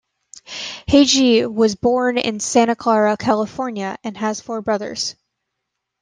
Haje was born in Santa Clara, California and has four brothers.